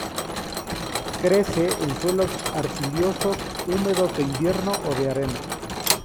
Crece en suelos arcillosos húmedos de invierno o de arena.